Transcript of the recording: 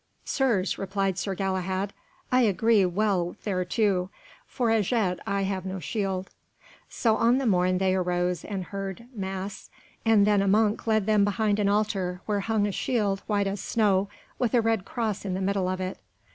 "Sirs," replied Sir Galahad, "I agree well thereto, for as yet I have no shield." So on the morn they arose and heard Mass, and then a monk led them behind an altar where hung a shield white as snow, with a red cross in the middle of it.